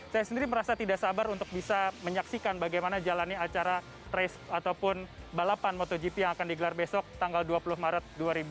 saya sendiri merasa tidak sabar untuk bisa menyaksikan bagaimana jalannya acara race ataupun balapan motogp yang akan digelar besok tanggal dua puluh maret dua ribu dua puluh